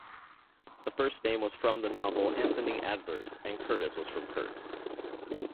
The first name was from the novel "Anthony Adverse" and "Curtis" was from Kurtz.